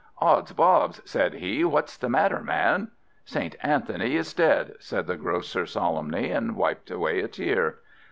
"Ods bobs!" said he, "what's the matter, man?" "St. Anthony is dead," said the Grocer solemnly, and wiped away a tear.